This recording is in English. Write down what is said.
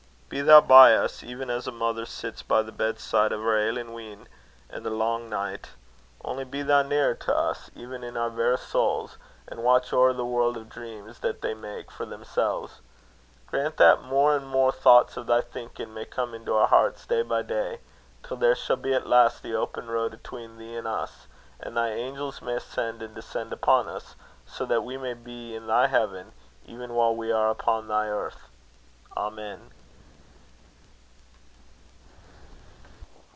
Be thou by us, even as a mother sits by the bedside o' her ailin' wean a' the lang nicht; only be thou nearer to us, even in our verra souls, an' watch ower the warl' o' dreams that they mak' for themsels. Grant that more an' more thochts o' thy thinkin' may come into our herts day by day, till there shall be at last an open road atween thee an' us, an' thy angels may ascend and descend upon us, so that we may be in thy heaven, e'en while we are upo' thy earth: Amen."